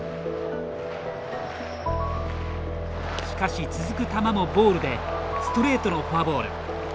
しかし、続く球もボールでストレートのフォアボール。